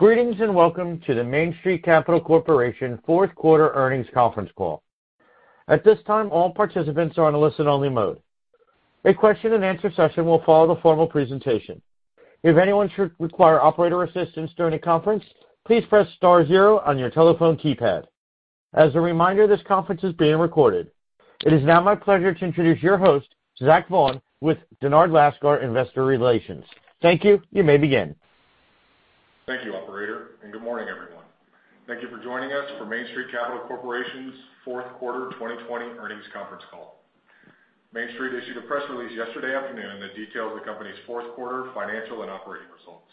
Greetings and welcome to the Main Street Capital Corporation fourth quarter earnings conference call. At this time all participants are in a listen-only mode. A question-and-answer session will follow the presentation. If anyone requires operator assistance during the conference, please press star zero on your telephone keypad. As a reminder, this conference is being recorded. It is now my pleasure to introduce your host, Zach Vaughan, with Dennard Lascar, Investor Relations. Thank you. You may begin. Thank you, operator, and good morning, everyone. Thank you for joining us for Main Street Capital Corporation's fourth quarter 2020 earnings conference call. Main Street issued a press release yesterday afternoon that details the company's fourth-quarter financial and operating results.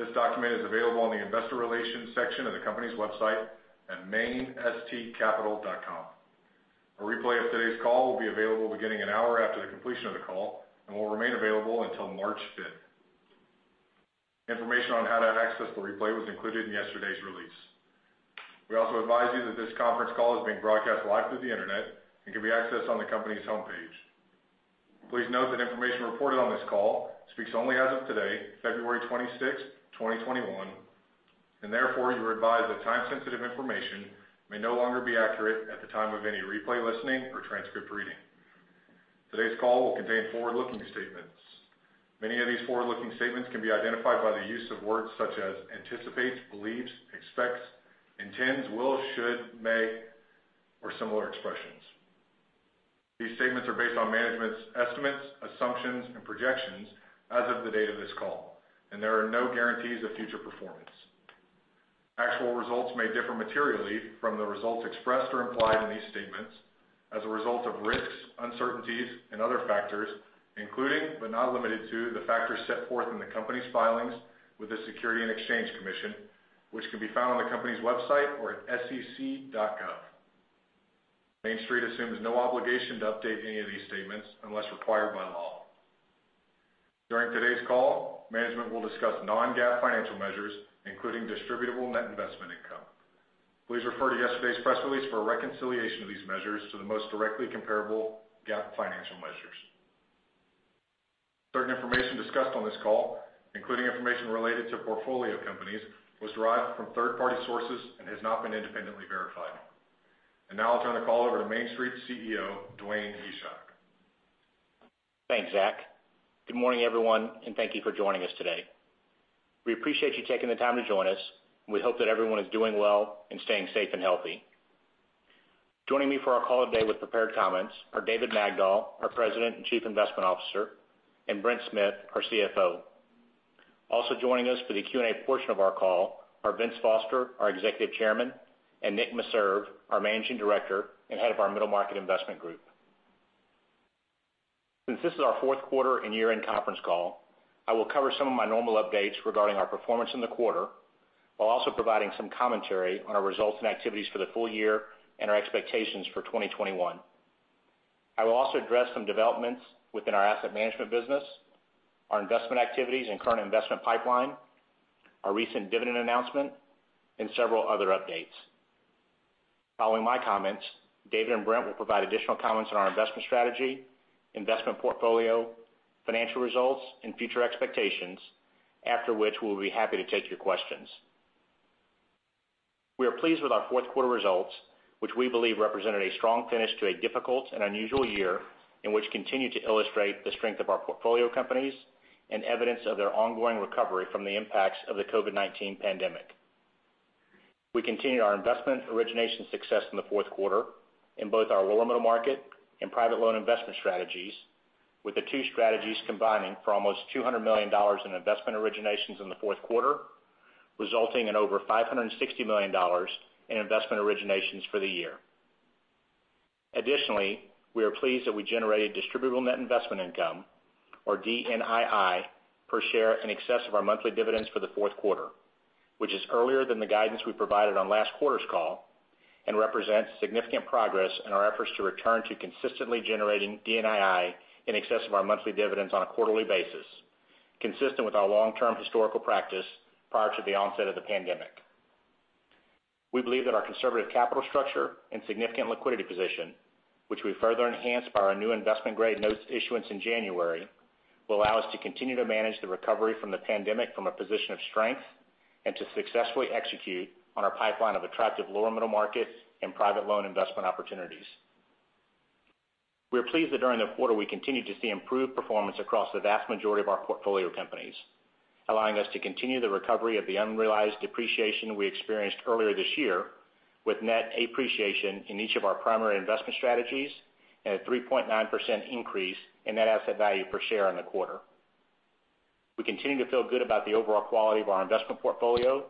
This document is available on the Investor Relations section of the company's website at mainstcapital.com. A replay of today's call will be available beginning an hour after the completion of the call and will remain available until March 5th. Information on how to access the replay was included in yesterday's release. We also advise you that this conference call is being broadcast live through the internet and can be accessed on the company's homepage. Please note that information reported on this call speaks only as of today, February 26th, 2021, and therefore you are advised that time-sensitive information may no longer be accurate at the time of any replay listening or transcript reading. Today's call will contain forward-looking statements. Many of these forward-looking statements can be identified by the use of words such as "anticipates," "believes," "expects," "intends," "will," "should," "may," or similar expressions. These statements are based on management's estimates, assumptions, and projections as of the date of this call, and there are no guarantees of future performance. Actual results may differ materially from the results expressed or implied in these statements as a result of risks, uncertainties, and other factors, including but not limited to the factors set forth in the company's filings with the Securities and Exchange Commission, which can be found on the company's website or at sec.gov. Main Street assumes no obligation to update any of these statements unless required by law. During today's call, management will discuss non-GAAP financial measures, including distributable net investment income. Please refer to yesterday's press release for a reconciliation of these measures to the most directly comparable GAAP financial measures. Certain information discussed on this call, including information related to portfolio companies, was derived from third-party sources and has not been independently verified. Now I'll turn the call over to Main Street's CEO, Dwayne Hyzak. Thanks, Zach. Good morning, everyone, and thank you for joining us today. We appreciate you taking the time to join us, and we hope that everyone is doing well and staying safe and healthy. Joining me for our call today with prepared comments are David Magdol, our President and Chief Investment Officer, and Brent Smith, our CFO. Also joining us for the Q&A portion of our call are Vince Foster, our Executive Chairman, and Nick Meserve, our Managing Director and Head of our Middle Market Investment Group. Since this is our fourth quarter and year-end conference call, I will cover some of my normal updates regarding our performance in the quarter while also providing some commentary on our results and activities for the full year and our expectations for 2021. I will also address some developments within our asset management business, our investment activities and current investment pipeline, our recent dividend announcement, and several other updates. Following my comments, David and Brent will provide additional comments on our investment strategy, investment portfolio, financial results, and future expectations, after which we will be happy to take your questions. We are pleased with our fourth quarter results, which we believe represented a strong finish to a difficult and unusual year and which continue to illustrate the strength of our portfolio companies and evidence of their ongoing recovery from the impacts of the COVID-19 pandemic. We continued our investment origination success in the fourth quarter in both our lower middle market and private loan investment strategies, with the two strategies combining for almost $200 million in investment originations in the fourth quarter, resulting in over $560 million in investment originations for the year. Additionally, we are pleased that we generated distributable net investment income, or DNII, per share in excess of our monthly dividends for the fourth quarter, which is earlier than the guidance we provided on last quarter's call and represents significant progress in our efforts to return to consistently generating DNII in excess of our monthly dividends on a quarterly basis, consistent with our long-term historical practice prior to the onset of the pandemic. We believe that our conservative capital structure and significant liquidity position, which we further enhanced by our new investment-grade notes issuance in January, will allow us to continue to manage the recovery from the pandemic from a position of strength and to successfully execute on our pipeline of attractive lower middle market and private loan investment opportunities. We are pleased that during the quarter we continue to see improved performance across the vast majority of our portfolio companies, allowing us to continue the recovery of the unrealized depreciation we experienced earlier this year with net appreciation in each of our primary investment strategies and a 3.9% increase in net asset value per share in the quarter. We continue to feel good about the overall quality of our investment portfolio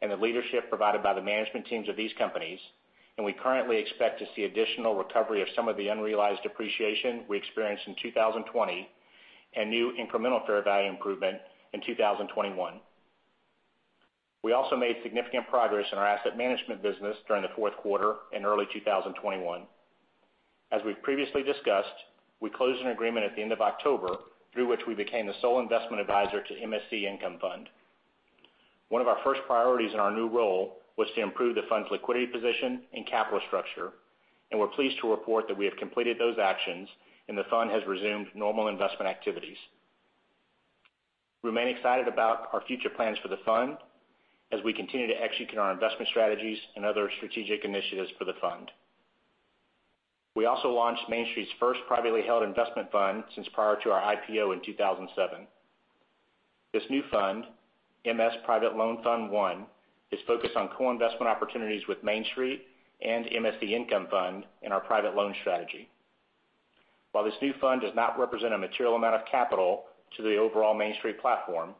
and the leadership provided by the management teams of these companies, we currently expect to see additional recovery of some of the unrealized depreciation we experienced in 2020 and new incremental fair value improvement in 2021. We also made significant progress in our asset management business during the fourth quarter and early 2021. As we've previously discussed, we closed an agreement at the end of October through which we became the sole investment advisor to MSC Income Fund. One of our first priorities in our new role was to improve the fund's liquidity position and capital structure, and we're pleased to report that we have completed those actions and the fund has resumed normal investment activities. We remain excited about our future plans for the fund as we continue to execute our investment strategies and other strategic initiatives for the fund. We also launched Main Street's first privately held investment fund since prior to our IPO in 2007. This new fund, MS Private Loan Fund I, is focused on co-investment opportunities with Main Street and MSC Income Fund in our private loan strategy. While this new fund does not represent a material amount of capital to the overall Main Street platform,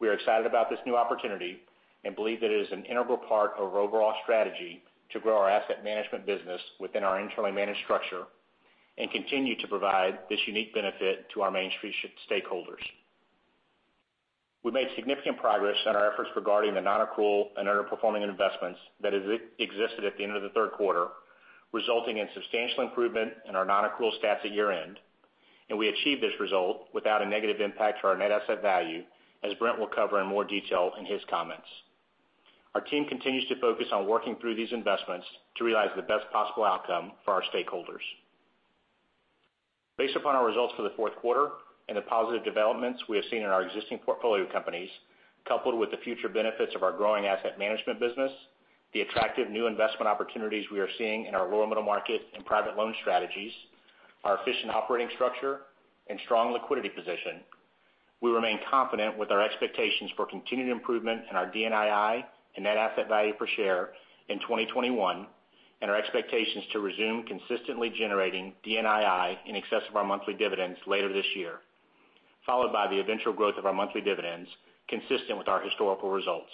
we are excited about this new opportunity and believe that it is an integral part of our overall strategy to grow our asset management business within our internally managed structure and continue to provide this unique benefit to our Main Street stakeholders. We made significant progress in our efforts regarding the non-accrual and underperforming investments that existed at the end of the third quarter, resulting in substantial improvement in our non-accrual stats at year-end, and we achieved this result without a negative impact on our net asset value, as Brent will cover in more detail in his comments. Our team continues to focus on working through these investments to realize the best possible outcome for our stakeholders. Based upon our results for the fourth quarter and the positive developments we have seen in our existing portfolio companies, coupled with the future benefits of our growing asset management business, the attractive new investment opportunities we are seeing in our lower middle market and private loan strategies, our efficient operating structure, and our strong liquidity position, we remain confident with our expectations for continued improvement in our DNII and net asset value per share in 2021 and our expectations to resume consistently generating DNII in excess of our monthly dividends later this year, followed by the eventual growth of our monthly dividends consistent with our historical results.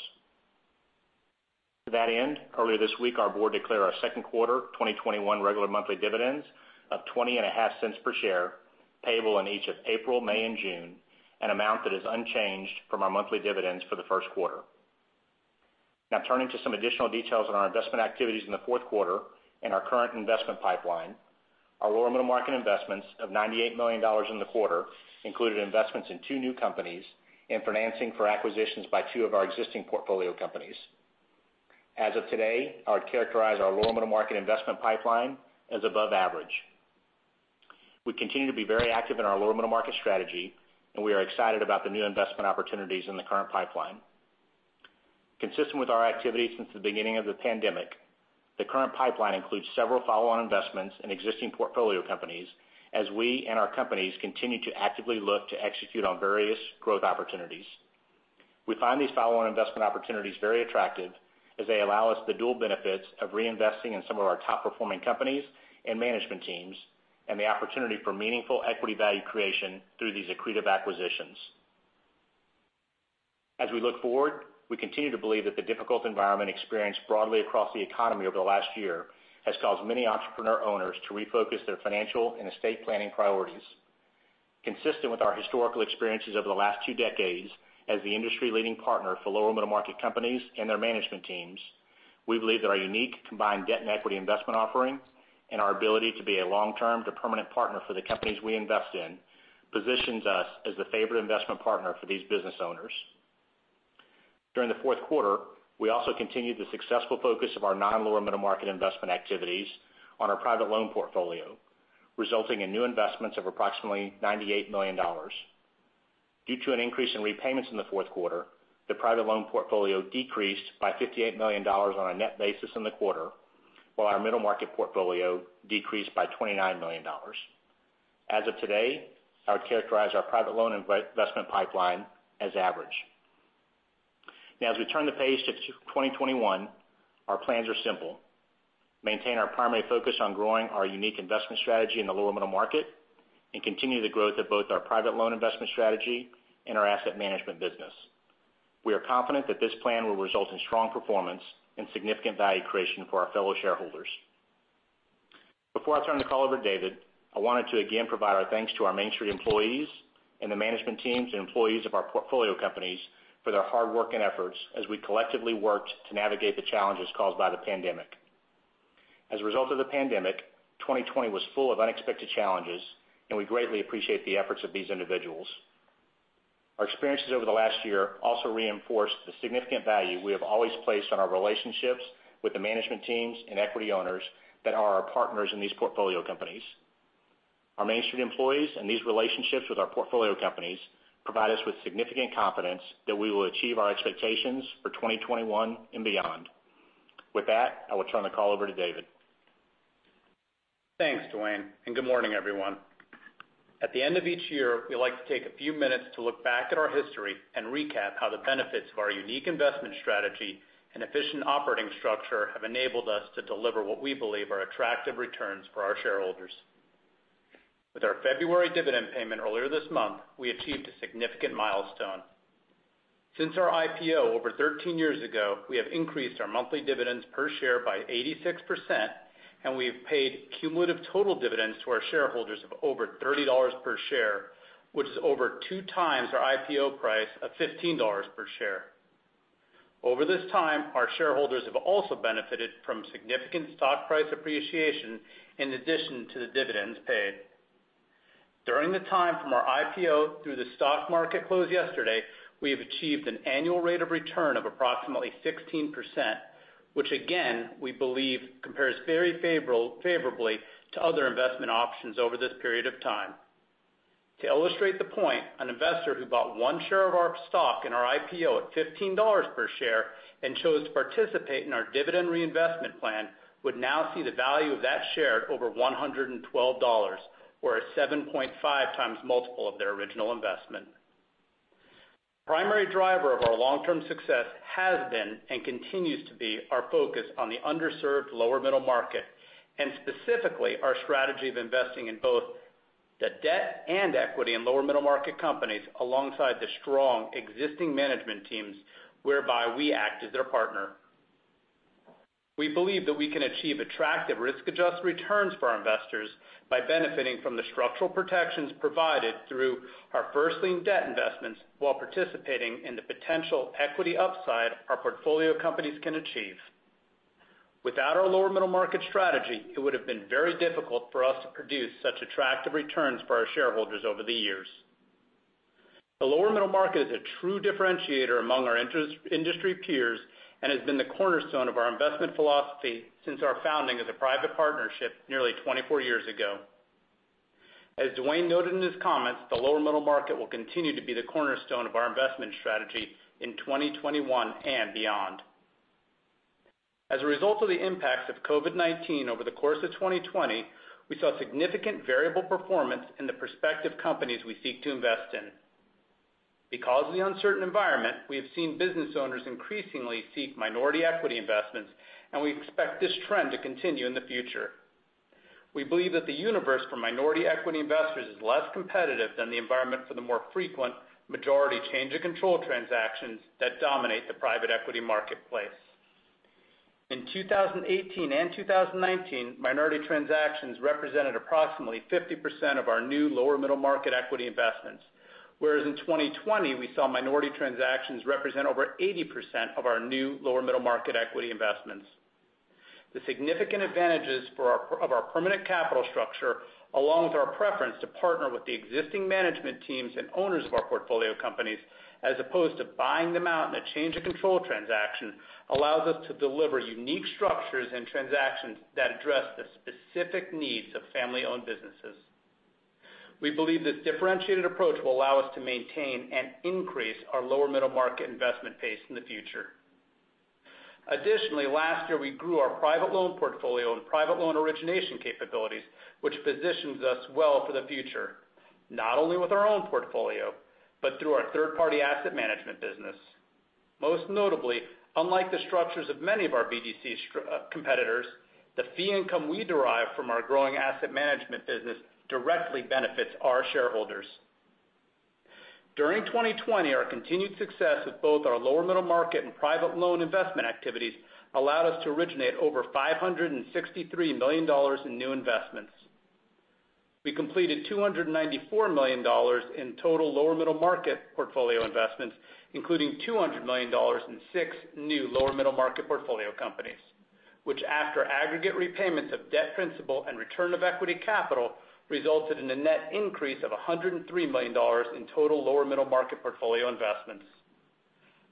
To that end, earlier this week our board declared our second quarter 2021 regular monthly dividends of $0.205 per share, payable in each of April, May, and June, an amount that is unchanged from our monthly dividends for the first quarter. Turning to some additional details on our investment activities in the fourth quarter and our current investment pipeline, our lower middle market investments of $98 million in the quarter included investments in two new companies and financing for acquisitions by two of our existing portfolio companies. As of today, I would characterize our lower middle market investment pipeline as above average. We continue to be very active in our lower middle market strategy, and we are excited about the new investment opportunities in the current pipeline. Consistent with our activities since the beginning of the pandemic, the current pipeline includes several follow-on investments in existing portfolio companies as we and our companies continue to actively look to execute on various growth opportunities. We find these follow-on investment opportunities very attractive as they allow us the dual benefits of reinvesting in some of our top-performing companies and management teams and the opportunity for meaningful equity value creation through these accretive acquisitions. As we look forward, we continue to believe that the difficult environment experienced broadly across the economy over the last year has caused many entrepreneur owners to refocus their financial and estate planning priorities. Consistent with our historical experiences over the last two decades as the industry-leading partner for lower middle market companies and their management teams, we believe that our unique combined debt and equity investment offering and our ability to be a long-term to permanent partner for the companies we invest in positions us as the favorite investment partner for these business owners. During the fourth quarter, we also continued the successful focus of our non-lower middle market investment activities on our private loan portfolio, resulting in new investments of approximately $98 million. Due to an increase in repayments in the fourth quarter, the private loan portfolio decreased by $58 million on a net basis in the quarter, while our middle market portfolio decreased by $29 million. As of today, I would characterize our private loan investment pipeline as average. Now as we turn the page to 2021, our plans are simple: maintain our primary focus on growing our unique investment strategy in the lower middle market and continue the growth of both our private loan investment strategy and our asset management business. We are confident that this plan will result in strong performance and significant value creation for our fellow shareholders. Before I turn the call over to David, I wanted to again provide our thanks to our Main Street employees and the management teams and employees of our portfolio companies for their hard work and efforts as we collectively worked to navigate the challenges caused by the pandemic. As a result of the pandemic, 2020 was full of unexpected challenges, and we greatly appreciate the efforts of these individuals. Our experiences over the last year also reinforced the significant value we have always placed on our relationships with the management teams and equity owners that are our partners in these portfolio companies. Our Main Street employees and these relationships with our portfolio companies provide us with significant confidence that we will achieve our expectations for 2021 and beyond. With that, I will turn the call over to David. Thanks, Dwayne, good morning, everyone. At the end of each year, we like to take a few minutes to look back at our history and recap how the benefits of our unique investment strategy and efficient operating structure have enabled us to deliver what we believe are attractive returns for our shareholders. With our February dividend payment earlier this month, we achieved a significant milestone. Since our IPO over 13 years ago, we have increased our monthly dividends per share by 86%, and we have paid cumulative total dividends to our shareholders of over $30 per share, which is over two times our IPO price of $15 per share. Over this time, our shareholders have also benefited from significant stock price appreciation in addition to the dividends paid. During the time from our IPO through the stock market close yesterday, we have achieved an annual rate of return of approximately 16%, which again we believe compares very favorably to other investment options over this period of time. To illustrate the point, an investor who bought one share of our stock in our IPO at $15 per share and chose to participate in our dividend reinvestment plan would now see the value of that share at over $112, or a 7.5x multiple of their original investment. The primary driver of our long-term success has been and continues to be our focus on the underserved lower middle market and specifically our strategy of investing in both the debt and equity in lower middle market companies alongside the strong existing management teams, whereby we act as their partner. We believe that we can achieve attractive risk-adjusted returns for our investors by benefiting from the structural protections provided through our first-lien debt investments while participating in the potential equity upside our portfolio companies can achieve. Without our lower middle market strategy, it would have been very difficult for us to produce such attractive returns for our shareholders over the years. The lower middle market is a true differentiator among our industry peers and has been the cornerstone of our investment philosophy since our founding as a private partnership nearly 24 years ago. As Dwayne noted in his comments, the lower middle market will continue to be the cornerstone of our investment strategy in 2021 and beyond. As a result of the impacts of COVID-19 over the course of 2020, we saw significant variable performance in the prospective companies we seek to invest in. Because of the uncertain environment, we have seen business owners increasingly seek minority equity investments, and we expect this trend to continue in the future. We believe that the universe for minority equity investors is less competitive than the environment for the more frequent majority change-of-control transactions that dominate the private equity marketplace. In 2018 and 2019, minority transactions represented approximately 50% of our new lower middle market equity investments, whereas in 2020, we saw minority transactions represent over 80% of our new lower middle market equity investments. The significant advantages of our permanent capital structure, along with our preference to partner with the existing management teams and owners of our portfolio companies as opposed to buying them out in a change-of-control transaction, allow us to deliver unique structures and transactions that address the specific needs of family-owned businesses. We believe this differentiated approach will allow us to maintain and increase our lower middle market investment pace in the future. Additionally, last year we grew our private loan portfolio and private loan origination capabilities, which positions us well for the future, not only with our own portfolio but also through our third-party asset management business. Most notably, unlike the structures of many of our BDC competitors, the fee income we derive from our growing asset management business directly benefits our shareholders. During 2020, our continued success with both our lower middle market and private loan investment activities allowed us to originate over $563 million in new investments. We completed $294 million in total lower middle market portfolio investments, including $200 million in six new lower middle market portfolio companies, which, after aggregate repayments of debt principal and return of equity capital, resulted in a net increase of $103 million in total lower middle market portfolio investments.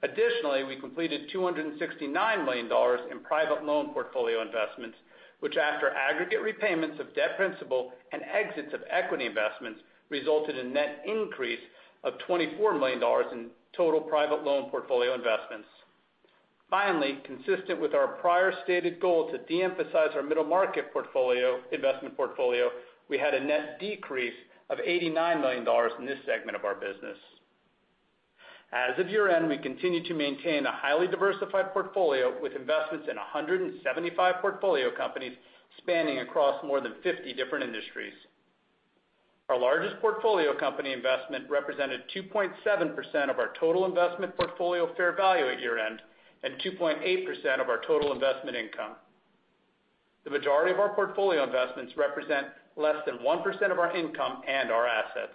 Additionally, we completed $269 million in private loan portfolio investments, which, after aggregate repayments of debt principal and exits of equity investments, resulted in a net increase of $24 million in total private loan portfolio investments. Finally, consistent with our prior stated goal to de-emphasize our middle market investment portfolio, we had a net decrease of $89 million in this segment of our business. As of year-end, we continue to maintain a highly diversified portfolio with investments in 175 portfolio companies spanning across more than 50 different industries. Our largest portfolio company investment represented 2.7% of our total investment portfolio fair value at year-end and 2.8% of our total investment income. The majority of our portfolio investments represent less than 1% of our income and our assets.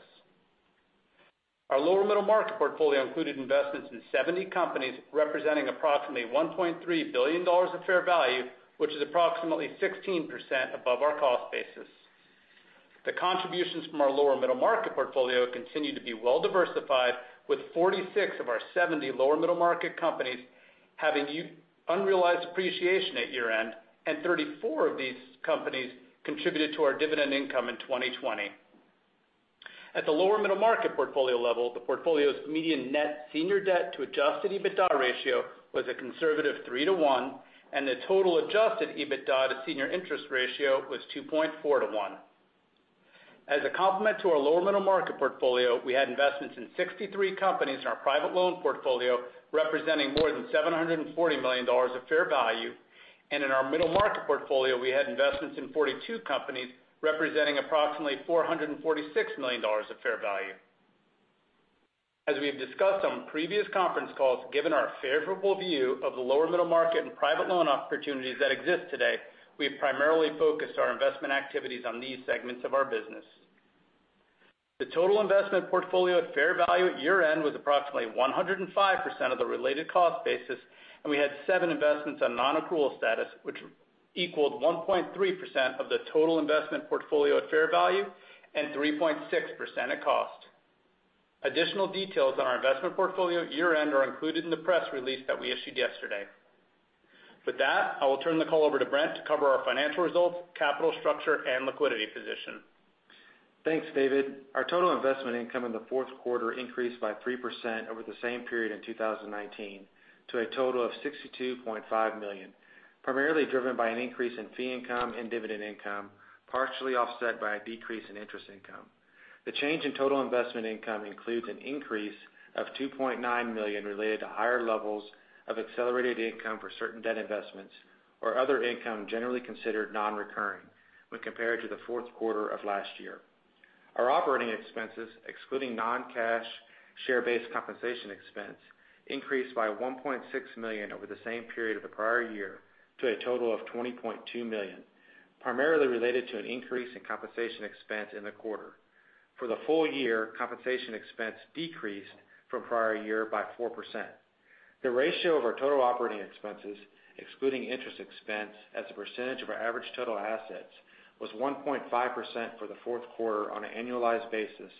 Our lower middle market portfolio included investments in 70 companies representing approximately $1.3 billion of fair value, which is approximately 16% above our cost basis. The contributions from our lower middle market portfolio continue to be well diversified, with 46 of our 70 lower middle market companies having unrealized appreciation at year-end, and 34 of these companies contributed to our dividend income in 2020. At the lower middle market portfolio level, the portfolio's median net senior debt to adjusted EBITDA ratio was a conservative 3:1, and the total adjusted EBITDA to senior interest ratio was 2.4:1. As a complement to our lower middle market portfolio, we had investments in 63 companies in our private loan portfolio representing more than $740 million of fair value, and in our middle market portfolio, we had investments in 42 companies representing approximately $446 million of fair value. As we have discussed on previous conference calls, given our favorable view of the lower middle market and private loan opportunities that exist today, we have primarily focused our investment activities on these segments of our business. The total investment portfolio at fair value at year-end was approximately 105% of the related cost basis, and we had seven investments on non-accrual status, which equaled 1.3% of the total investment portfolio at fair value and 3.6% at cost. Additional details on our investment portfolio at year-end are included in the press release that we issued yesterday. With that, I will turn the call over to Brent to cover our financial results, capital structure, and liquidity position. Thanks, David. Our total investment income in the fourth quarter increased by 3% over the same period in 2019 to a total of $62.5 million, primarily driven by an increase in fee income and dividend income, partially offset by a decrease in interest income. The change in total investment income includes an increase of $2.9 million related to higher levels of accelerated income for certain debt investments or other income generally considered non-recurring when compared to the fourth quarter of last year. Our operating expenses, excluding non-cash share-based compensation expense, increased by $1.6 million over the same period of the prior year to a total of $20.2 million, primarily related to an increase in compensation expense in the quarter. For the full year, compensation expense decreased from the prior year by 4%. The ratio of our total operating expenses, excluding interest expense as a percentage of our average total assets, was 1.5% for the fourth quarter on an annualized basis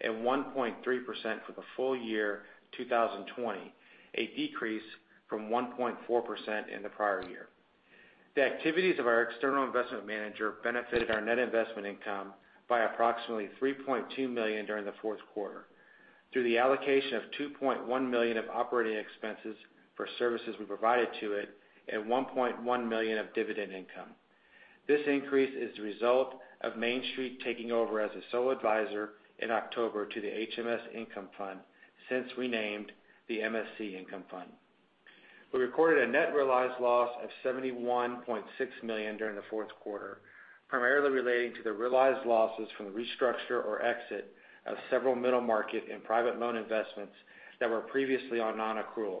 and 1.3% for the full year 2020, a decrease from 1.4% in the prior year. The activities of our external investment manager benefited our net investment income by approximately $3.2 million during the fourth quarter through the allocation of $2.1 million of operating expenses for services we provided to it and $1.1 million of dividend income. This increase is the result of Main Street taking over as a sole advisor in October to the HMS Income Fund, now renamed the MSC Income Fund. We recorded a net realized loss of $71.6 million during the fourth quarter, primarily relating to the realized losses from the restructure or exit of several middle market and private loan investments that were previously on non-accrual,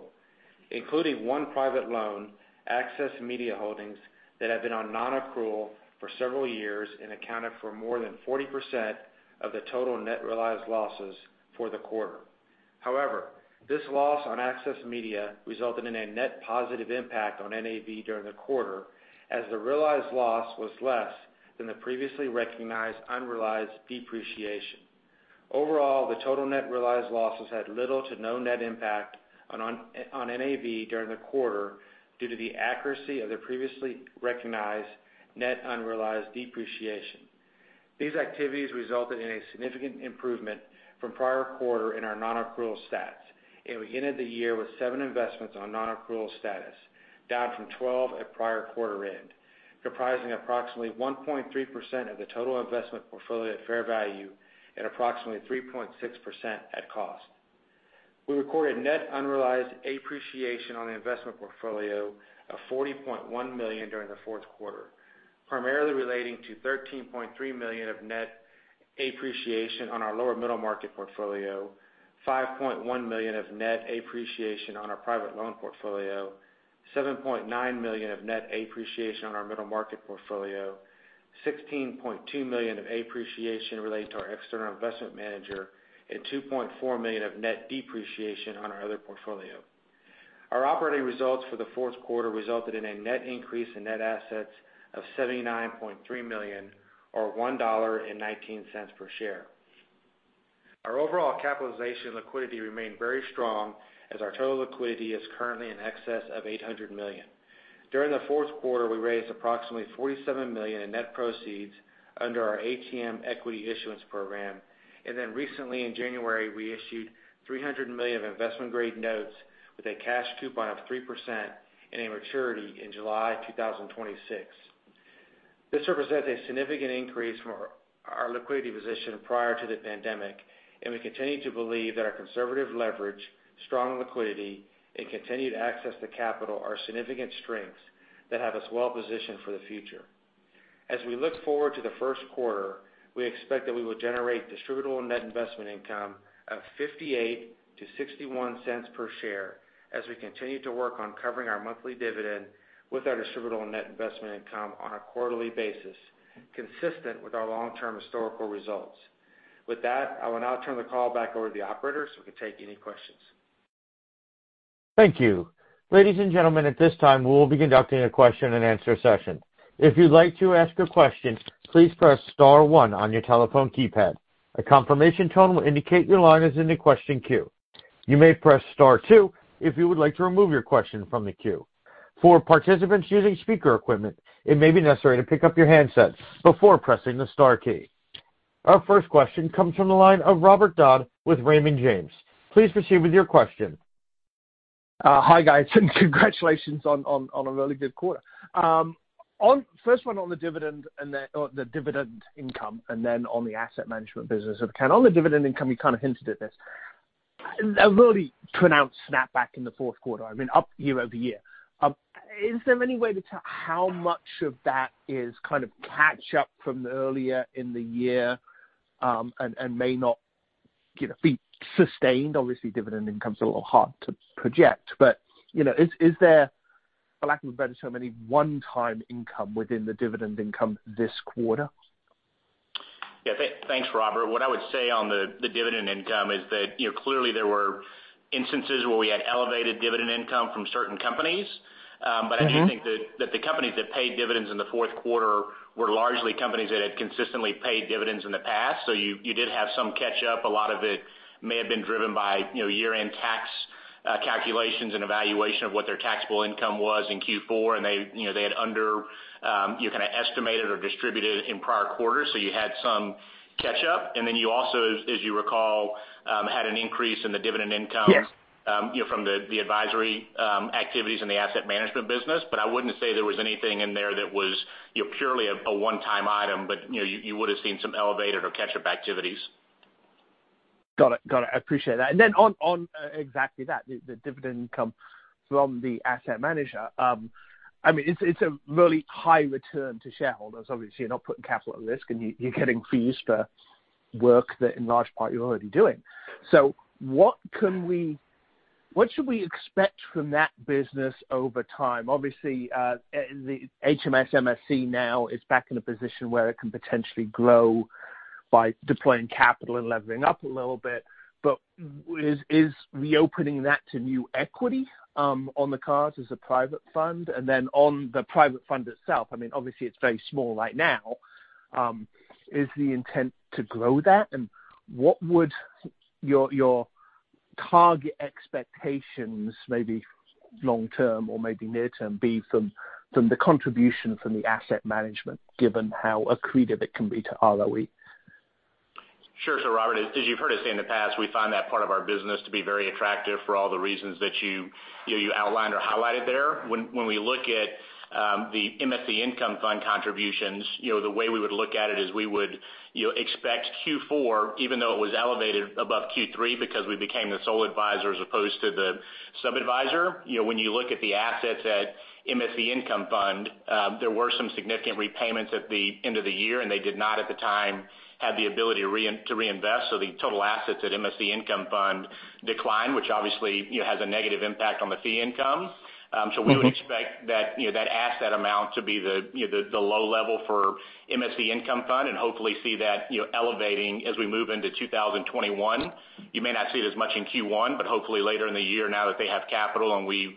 including one private loan, Access Media Holdings, that had been on non-accrual for several years and accounted for more than 40% of the total net realized losses for the quarter. However, this loss on Access Media resulted in a net positive impact on NAV during the quarter as the realized loss was less than the previously recognized unrealized depreciation. Overall, the total net realized losses had little to no net impact on NAV during the quarter due to the accuracy of the previously recognized net unrealized depreciation. These activities resulted in a significant improvement from prior quarter in our non-accrual stats, and we ended the year with seven investments on non-accrual status, down from 12 at prior quarter end, comprising approximately 1.3% of the total investment portfolio at fair value and approximately 3.6% at cost. We recorded net unrealized appreciation on the investment portfolio of $40.1 million during the fourth quarter, primarily relating to $13.3 million of net appreciation on our lower middle market portfolio, $5.1 million of net appreciation on our private loan portfolio, $7.9 million of net appreciation on our middle market portfolio, $16.2 million of appreciation related to our external investment manager, and $2.4 million of net depreciation on our other portfolio. Our operating results for the fourth quarter resulted in a net increase in net assets of $79.3 million, or $1.19 per share. Our overall capitalization liquidity remained very strong as our total liquidity is currently in excess of $800 million. During the fourth quarter, we raised approximately $47 million in net proceeds under our ATM Equity Issuance Program. Recently in January, we issued $300 million of investment-grade notes with a cash coupon of 3% and a maturity in July 2026. This represents a significant increase from our liquidity position prior to the pandemic, and we continue to believe that our conservative leverage, strong liquidity, and continued access to capital are significant strengths that have us well positioned for the future. As we look forward to the first quarter, we expect that we will generate distributable net investment income of $0.58-$0.61 per share as we continue to work on covering our monthly dividend with our distributable net investment income on a quarterly basis, consistent with our long-term historical results. With that, I will now turn the call back over to the operator so we can take any questions. Our first question comes from the line of Robert Dodd with Raymond James. Please proceed with your question. Hi, guys. Congratulations on a really good quarter. First one on the dividend income and then on the asset management business. On the dividend income, you kind of hinted at this. A really pronounced snapback in the fourth quarter. I mean, up year-over-year. Is there any way to tell how much of that is kind of a catch-up from earlier in the year and may not be sustained? Obviously, dividend income's a little hard to project, but is there, for lack of a better term, any one-time income within the dividend income this quarter? Yeah. Thanks, Robert. What I would say on the dividend income is that clearly, there were instances where we had elevated dividend income from certain companies, but I do think that the companies that paid dividends in the fourth quarter were largely companies that had consistently paid dividends in the past. You did have some catch-up. A lot of it may have been driven by year-end tax calculations and evaluation of what their taxable income was in Q4, and they had underestimated or distributed it in prior quarters. You had some catch-up, and then you also, as you recall, had an increase in the dividend income from the advisory activities in the asset management business. I wouldn't say there was anything in there that was purely a one-time item, but you would have seen some elevated or catch-up activities. Got it. Got it. I appreciate that. On exactly that, the dividend income from the asset manager, it's a really high return to shareholders. Obviously, you're not putting capital at risk, and you're getting fees for work that, in large part, you're already doing. What should we expect from that business over time? Obviously, the HMS MSC now is back in a position where it can potentially grow by deploying capital and levering up a little bit, is reopening that to new equity on the cards as a private fund? On the private fund itself, obviously, it's very small right now. Is the intent to grow that? What would your target expectations, maybe long-term or maybe near-term, be from the contribution from the asset management, given how accretive it can be to ROE? Sure. Robert, as you've heard us say in the past, we find that part of our business to be very attractive for all the reasons that you outlined or highlighted there. When we look at the MSC Income Fund contributions, the way we would look at it is we would expect Q4, even though it was elevated above Q3 because we became the sole advisor as opposed to the subadvisor, when you look at the assets at MSC Income Fund, there were some significant repayments at the end of the year, and they did not, at the time, have the ability to reinvest. The total assets at MSC Income Fund declined, which obviously has a negative impact on the fee income. We would expect that asset amount to be the low level for MSC Income Fund and hopefully see that elevating as we move into 2021. You may not see it as much in Q1. Hopefully, later in the year, now that they have capital and we've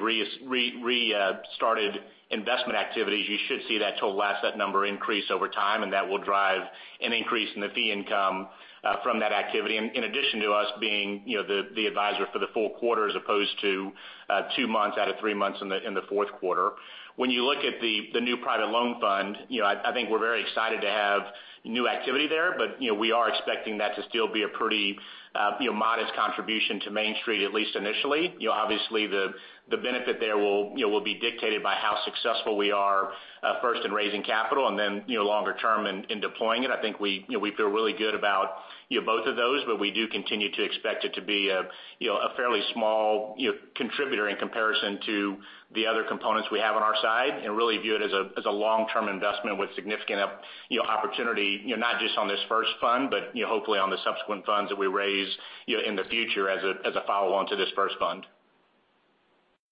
restarted investment activities, you should see that total asset number increase over time, and that will drive an increase in the fee income from that activity, in addition to us being the advisor for the full quarter as opposed to two months out of three months in the fourth quarter. When you look at the new private loan fund, I think we're very excited to have new activity there. We are expecting that to still be a pretty modest contribution to Main Street, at least initially. Obviously, the benefit there will be dictated by how successful we are first in raising capital and then longer-term in deploying it. I think we feel really good about both of those, but we do continue to expect it to be a fairly small contributor in comparison to the other components we have on our side and really view it as a long-term investment with significant opportunity, not just on this first fund, but hopefully on the subsequent funds that we raise in the future as a follow-on to this first fund.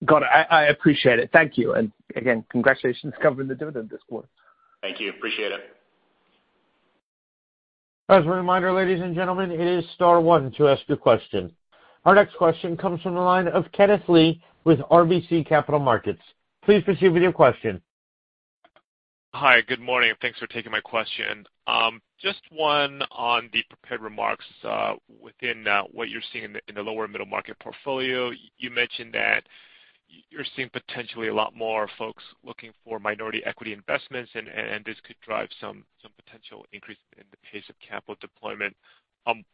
Got it. I appreciate it. Thank you. Again, congratulations on covering the dividend this quarter. Thank you. Appreciate it. As a reminder, ladies and gentlemen, it is star one to ask your question. Our next question comes from the line of Kenneth Lee with RBC Capital Markets. Please proceed with your question. Hi. Good morning. Thanks for taking my question. Just one on the prepared remarks. Within what you're seeing in the lower middle market portfolio, you mentioned that you're seeing potentially a lot more folks looking for minority equity investments, and this could drive some potential increase in the pace of capital deployment.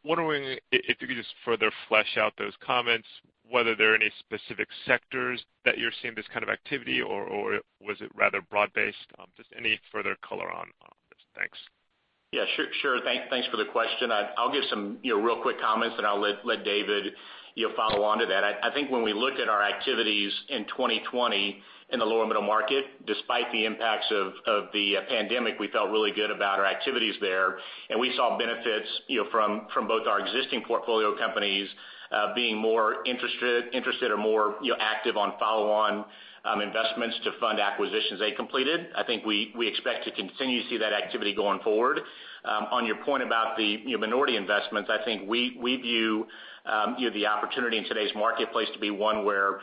Wondering if you could just further flesh out those comments, whether there are any specific sectors that you're seeing this kind of activity in, or was it rather broad-based? Just any further color on this. Thanks. Yeah. Sure. Thanks for the question. I'll give some real quick comments, and I'll let David follow on to that. I think when we looked at our activities in 2020 in the lower middle market, despite the impacts of the pandemic, we felt really good about our activities there, and we saw benefits from both our existing portfolio companies being more interested or more active on follow-on investments to fund acquisitions they completed. I think we expect to continue to see that activity going forward. On your point about the minority investments, I think we view the opportunity in today's marketplace to be one where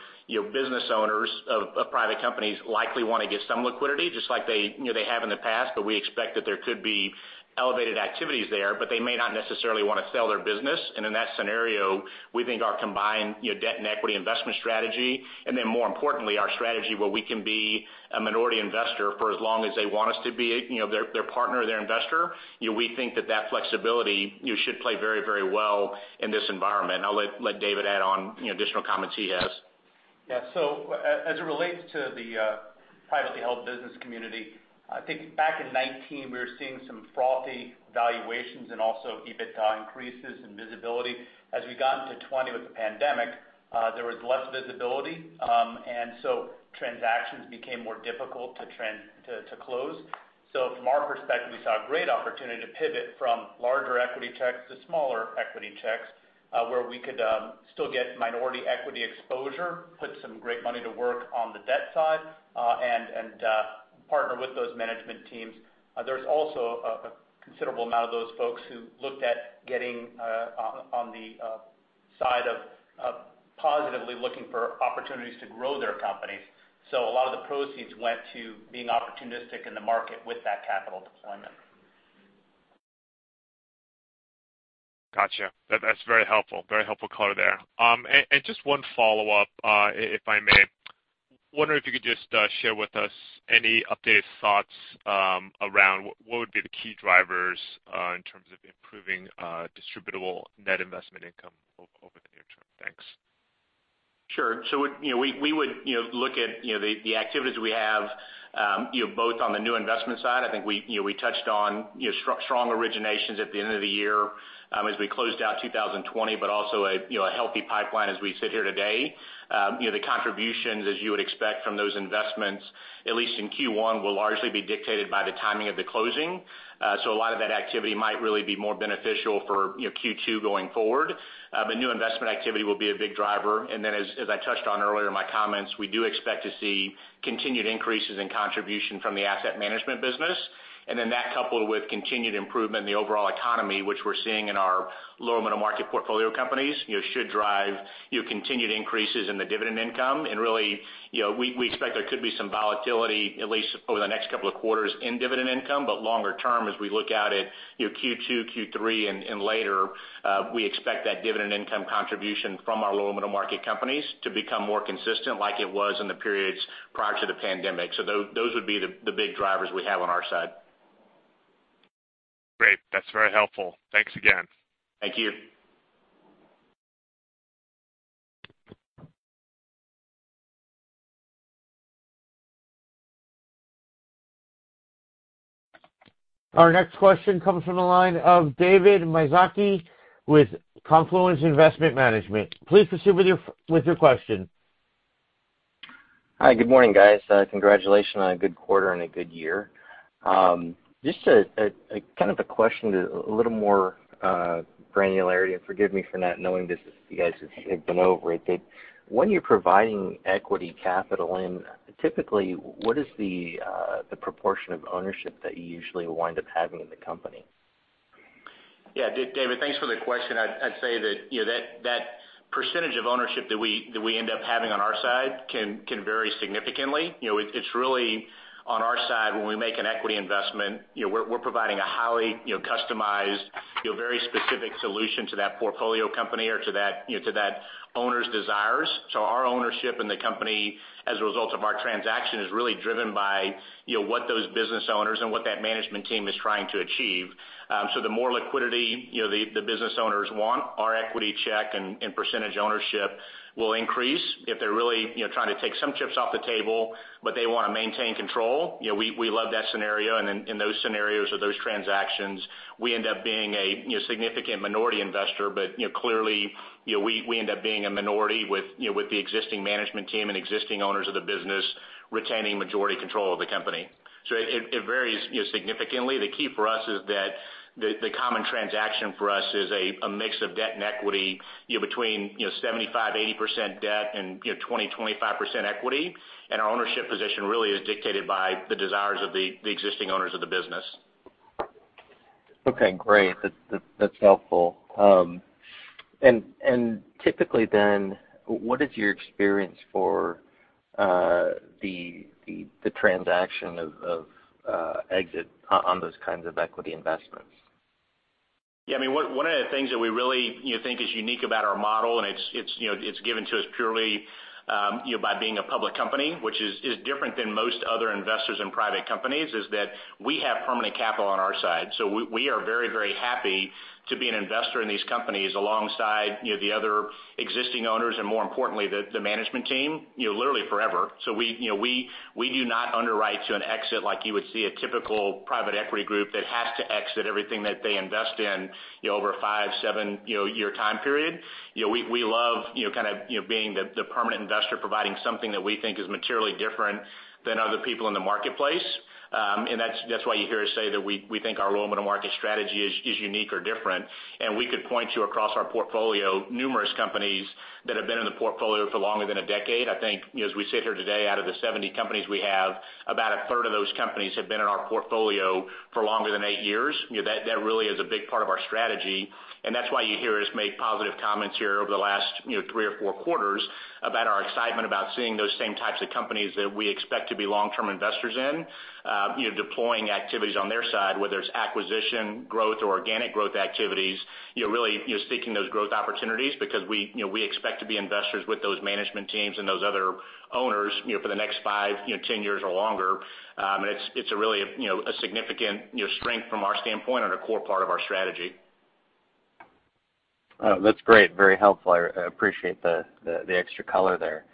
business owners of private companies likely want to get some liquidity, just like they have in the past, but we expect that there could be elevated activities there, but they may not necessarily want to sell their business. In that scenario, we think our combined debt and equity investment strategy and then, more importantly, our strategy where we can be a minority investor for as long as they want us to be their partner or their investor, we think that that flexibility should play very, very well in this environment. I'll let David add on additional comments he has. Yeah. As it relates to the privately held business community, I think back in 2019, we were seeing some frothy valuations and also EBITDA increases in visibility. As we got into 2020 with the pandemic, there was less visibility, and transactions became more difficult to close. From our perspective, we saw a great opportunity to pivot from larger equity checks to smaller equity checks where we could still get minority equity exposure, put some great money to work on the debt side, and partner with those management teams. There's also a considerable amount of those folks who looked at getting on the side of positively looking for opportunities to grow their companies. A lot of the proceeds went to being opportunistic in the market with that capital deployment. Gotcha. That's very helpful. Very helpful color there. Just one follow-up, if I may. Wondering if you could just share with us any updated thoughts around what would be the key drivers in terms of improving distributable net investment income over the near term. Thanks. Sure. We would look at the activities we have both on the new investment side. I think we touched on strong originations at the end of the year as we closed out 2020, but also a healthy pipeline as we sit here today. The contributions, as you would expect from those investments, at least in Q1, will largely be dictated by the timing of the closing. A lot of that activity might really be more beneficial for Q2 going forward, but new investment activity will be a big driver. As I touched on earlier in my comments, we do expect to see continued increases in contribution from the asset management business. That, coupled with continued improvement in the overall economy, which we're seeing in our lower middle market portfolio companies, should drive continued increases in the dividend income. Really, we expect there could be some volatility, at least over the next couple of quarters, in dividend income, but longer term, as we look out at Q2, Q3, and later, we expect that dividend income contribution from our lower middle market companies to become more consistent like it was in the periods prior to the pandemic. Those would be the big drivers we have on our side. Great. That's very helpful. Thanks again. Thank you. Our next question comes from the line of David Miyazaki with Confluence Investment Management. Please proceed with your question. Hi. Good morning, guys. Congratulations on a good quarter and a good year. Just kind of a question with a little more granularity, and forgive me for not knowing this if you guys have been over it, but when you're providing equity capital in, typically, what is the proportion of ownership that you usually wind up having in the company? Yeah. David, thanks for the question. I'd say that that percentage of ownership that we end up having on our side can vary significantly. It's really on our side when we make an equity investment; we're providing a highly customized, very specific solution to that portfolio company or to that owner's desires. Our ownership in the company as a result of our transaction is really driven by what those business owners and what that management team is trying to achieve. The more liquidity the business owners want, our equity check and percentage ownership will increase if they're really trying to take some chips off the table, but they want to maintain control. We love that scenario. In those scenarios or those transactions, we end up being a significant minority investor, but clearly, we end up being a minority with the existing management team and existing owners of the business retaining majority control of the company. It varies significantly. The key for us is that the common transaction for us is a mix of debt and equity between 75%-80% debt and 20%-25% equity. Our ownership position really is dictated by the desires of the existing owners of the business. Okay. Great. That's helpful. Typically then, what is your experience with the transaction of exit on those kinds of equity investments? Yeah. I mean, one of the things that we really think is unique about our model, and it's given to us purely by being a public company, which is different than most other investors in private companies, is that we have permanent capital on our side. We are very, very happy to be an investor in these companies alongside the other existing owners and, more importantly, the management team, literally forever. We do not underwrite an exit like you would see a typical private equity group that has to exit everything that they invest in over a five-seven year time period. We love kind of being the permanent investor, providing something that we think is materially different than other people in the marketplace. That's why you hear us say that we think our lower middle market strategy is unique or different. We could point you across our portfolio, numerous companies that have been in the portfolio for longer than a decade. I think as we sit here today, out of the 70 companies we have, about a third of those companies have been in our portfolio for longer than eight years. That really is a big part of our strategy. That's why you hear us make positive comments here over the last three or four quarters about our excitement about seeing those same types of companies that we expect to be long-term investors in deploying activities on their side, whether it's acquisition, growth, or organic growth activities, really seeking those growth opportunities because we expect to be investors with those management teams and those other owners for the next five, 10 years, or longer. It's really a significant strength from our standpoint and a core part of our strategy. That's great. Very helpful. I appreciate the extra color there.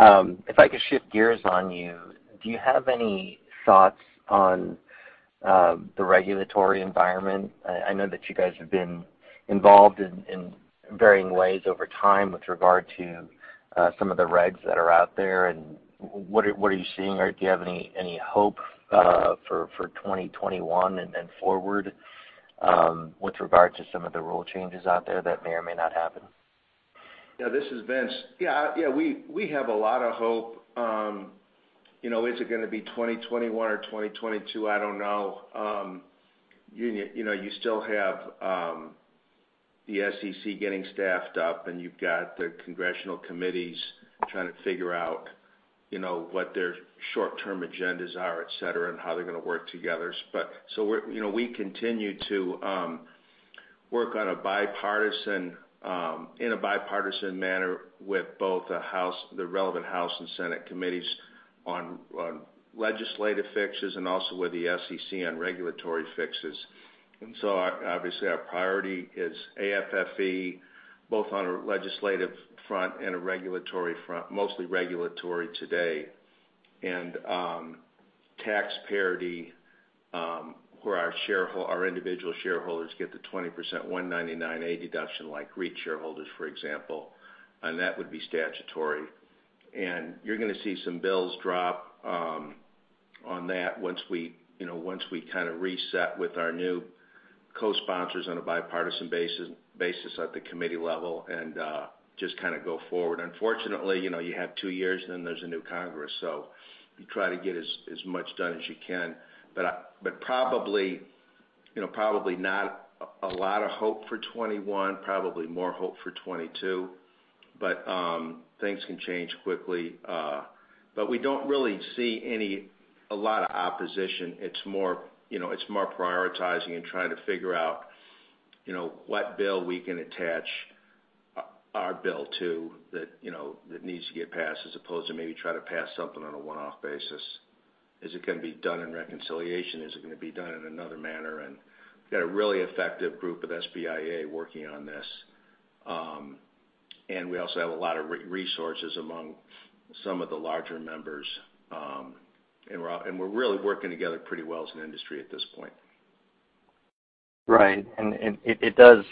If I could shift gears on you, do you have any thoughts on the regulatory environment? I know that you guys have been involved in varying ways over time with regard to some of the regulations that are out there. What are you seeing, or do you have any hope for 2021 and forward with regard to some of the rule changes out there that may or may not happen? Yeah. This is Vince. We have a lot of hope. Is it going to be 2021 or 2022? I don't know. You still have the SEC getting staffed up, and you've got the congressional committees trying to figure out what their short-term agendas are, etc., and how they're going to work together. We continue to work in a bipartisan manner with both the relevant House and Senate committees on legislative fixes and also with the SEC on regulatory fixes. Obviously, our priority is AFFE, both on a legislative front and a regulatory front, mostly regulatory today, and tax parity where our individual shareholders get the 20%, 199A deduction like REIT shareholders, for example. That would be statutory. You're going to see some bills drop on that once we kind of reset with our new co-sponsors on a bipartisan basis at the committee level and just kind of go forward. Unfortunately, you have two years, and then there's a new Congress. You try to get as much done as you can. Probably not a lot of hope for 2021, probably more hope for 2022. Things can change quickly. We don't really see a lot of opposition. It's more prioritizing and trying to figure out what bill we can attach our bill to that needs to get passed as opposed to maybe trying to pass something on a one-off basis. Is it going to be done in reconciliation? Is it going to be done in another manner? We've got a really effective group of SBIA working on this. We also have a lot of resources among some of the larger members. We're really working together pretty well as an industry at this point. Right. It does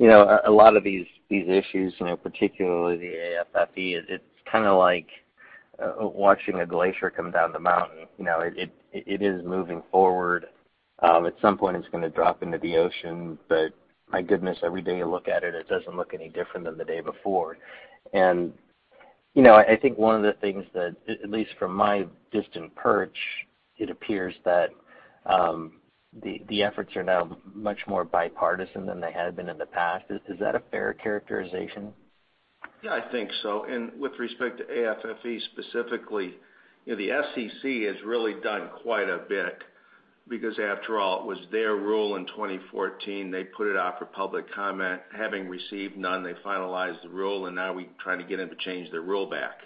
a lot of these issues, particularly the AFFE; it's kind of like watching a glacier come down the mountain. It is moving forward. At some point, it's going to drop into the ocean. My goodness, every day you look at it, it doesn't look any different than the day before. I think one of the things that, at least from my distant perch, it appears that the efforts are now much more bipartisan than they had been in the past. Is that a fair characterization? Yeah. I think so. With respect to AFFE specifically, the SEC has really done quite a bit because, after all, it was their rule in 2014. They put it off for public comment. Having received none, they finalized the rule, and now we're trying to get them to change their rule back.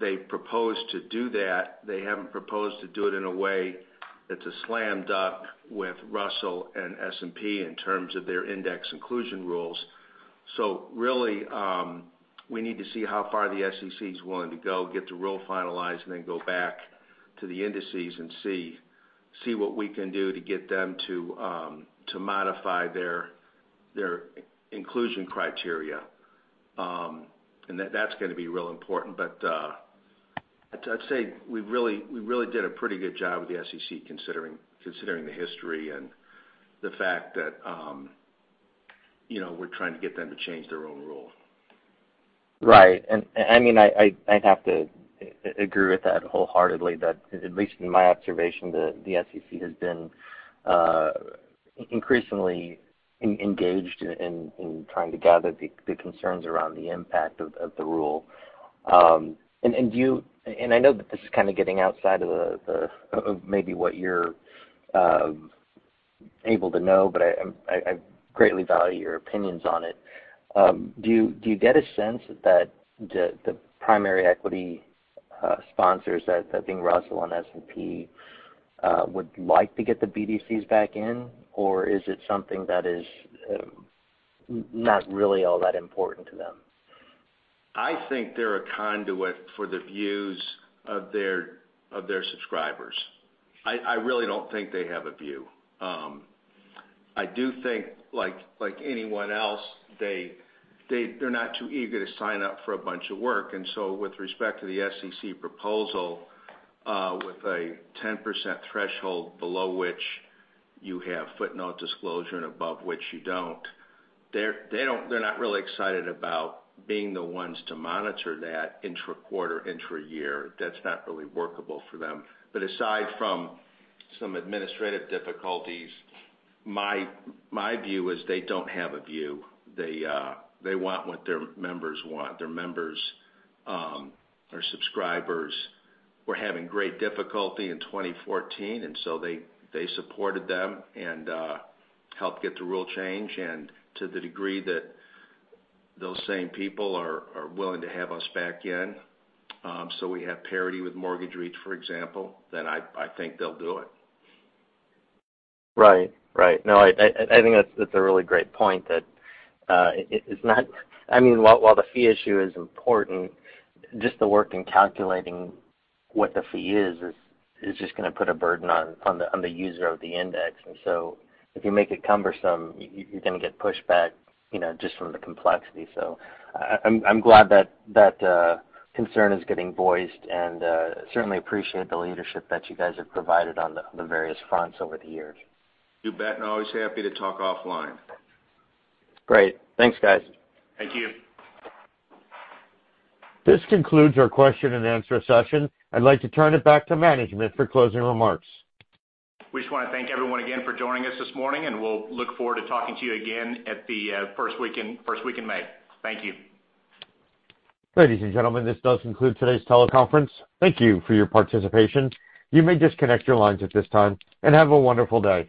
They've proposed to do that. They haven't proposed to do it in a way that's a slam dunk with Russell and S&P in terms of their index inclusion rules. Really, we need to see how far the SEC is willing to go, get the rule finalized, and then go back to the indices and see what we can do to get them to modify their inclusion criteria. That's going to be real important. I'd say we really did a pretty good job with the SEC considering the history and the fact that we're trying to get them to change their own rule. Right. I mean, I'd have to agree with that wholeheartedly that, at least in my observation, the SEC has been increasingly engaged in trying to gather the concerns around the impact of the rule. I know that this is kind of getting outside of maybe what you're able to know, but I greatly value your opinions on it. Do you get a sense that the primary equity sponsors, that being Russell and S&P, would like to get the BDCs back in, or is it something that is not really all that important to them? I think they're a conduit for the views of their subscribers. I really don't think they have a view. I do think, like anyone else, they're not too eager to sign up for a bunch of work. With respect to the SEC proposal, with a 10% threshold below which you have footnote disclosure and above which you don't, they're not really excited about being the ones to monitor that intra-quarter, intra-year. That's not really workable for them. Aside from some administrative difficulties, my view is they don't have a view. They want what their members want. Their members or subscribers were having great difficulty in 2014, and so they supported them and helped get the rule changed. To the degree that those same people are willing to have us back in so we have parity with mortgage REITs, for example, then I think they'll do it. Right. Right. No. I think that's a really great point that it's not—I mean, while the fee issue is important, just the work in calculating what the fee is is just going to put a burden on the user of the index. If you make it cumbersome, you're going to get pushback just from the complexity. I'm glad that concern is getting voiced and certainly appreciate the leadership that you guys have provided on the various fronts over the years. You bet. Always happy to talk offline. Great. Thanks, guys. Thank you. This concludes our question-and-answer session. I'd like to turn it back to management for closing remarks. We just want to thank everyone again for joining us this morning. We'll look forward to talking to you again at the first week in May. Thank you. Ladies and gentlemen, this does conclude today's teleconference. Thank you for your participation. You may disconnect your lines at this time and have a wonderful day.